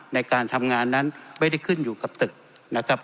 ในการทำงานนั้นไม่ได้ขึ้นอยู่กับตึกนะครับ